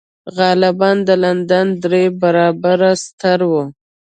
غالباً د لندن درې برابره ستر و.